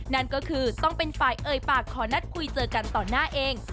นั่นก็คือต้องเป็นฝ่ายเอ่ยปากขอนัดคุยเจอกันต่อหน้าเอง